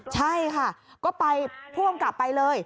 ใช่ค่ะก็ไปผู้กำกับไปเลย